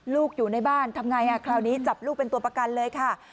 อยู่ในบ้านทำไงคราวนี้จับลูกเป็นตัวประกันเลยค่ะ